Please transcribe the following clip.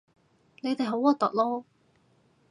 你哋好核突囉